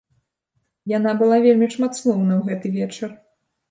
Яна была вельмі шматслоўна ў гэты вечар.